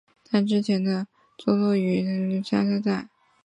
但之前的香炉峰坐落于今天湘潭县的茶恩寺香炉寨。